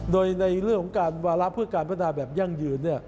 โดยในเรื่องของการวาระเพื่อการพัฒนาแบบยั่งยืน